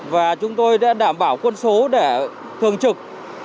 và chúng tôi đã đảm bảo quân số để thường trực